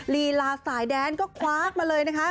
ลีลาสายแดนก็คว้ามาเลยนะคะ